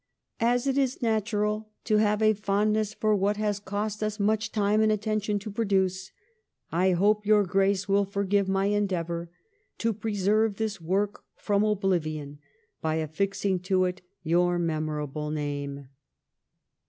' As it is natural to have a fondness for what has cost us much time and attention to produce, I hope your Grace will forgive my endeavour to preserve this work from oblivion, by affixing to it your memorable name.'